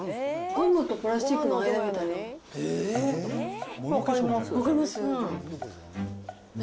ゴムとプラスチックの間みたいな。